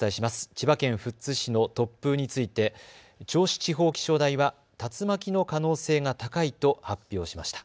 千葉県富津市の突風について銚子地方気象台は竜巻の可能性が高いと発表しました。